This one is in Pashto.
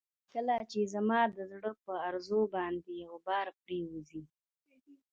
کله چې زما د زړه پر ارزو باندې غبار پرېوځي.